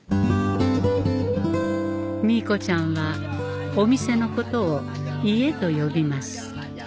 ミーコちゃんはお店のことを「家」と呼びます